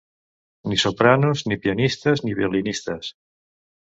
Ni sopranos, ni pianistes, ni violinistes!